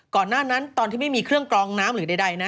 ก่อนหน้านั้นตอนที่ไม่มีเครื่องกรองน้ำหรือใดนะ